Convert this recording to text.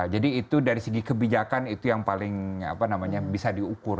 jadi itu dari segi kebijakan itu yang paling bisa diukur